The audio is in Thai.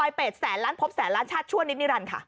๘แสนล้านพบแสนล้านชาติชั่วนิดนิรันดิ์ค่ะ